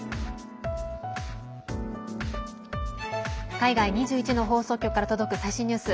海外２１の放送局から届く最新ニュース。